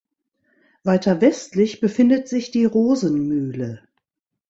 Weiter westlich befindet sich die Rosenmühle.